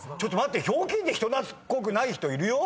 ひょうきんで人懐っこくない人いるよ